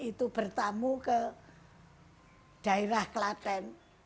itu bertamu ke daerah klaten